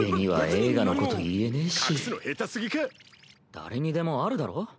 誰にでもあるだろ？